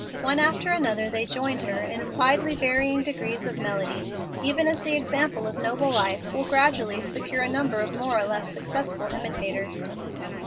One after another they joined her in widely varying degrees of melody, even as the example of a noble life will gradually secure a number of more or less successful imitators.